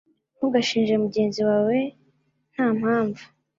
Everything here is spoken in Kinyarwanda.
Ntugashinje mugenzi wawe nta mpamvu